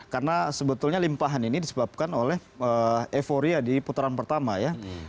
karena sebetulnya limpahan ini disebabkan oleh euforia di putaran pertama ya